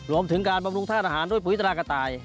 รวมถึงการบำรุงธาตุอาหารด้วยปุ๋ยตรากระต่าย